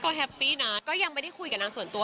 ก็แฮปปี้นะก็ยังไม่ได้คุยกับนางส่วนตัว